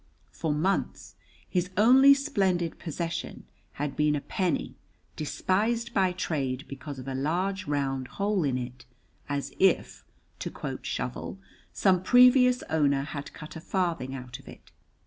For months his only splendid possession had been a penny despised by trade because of a large round hole in it, as if (to quote Shovel) some previous owner had cut a farthing out of it.